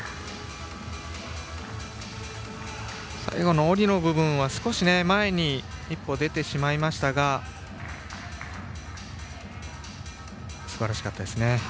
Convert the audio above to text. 最後の下りの部分は少し前に１歩出てしまいましたがすばらしかったですね。